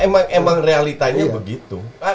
ya emang realitanya begitu